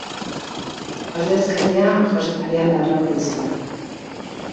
Ordezkaria Jose Maria Larrauri zuen.